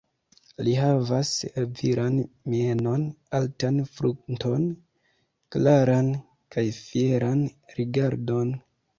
Li havas viran mienon, altan frunton, klaran kaj fieran rigardon.